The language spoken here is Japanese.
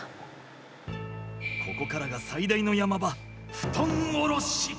ここからが最大の山場布団降ろし！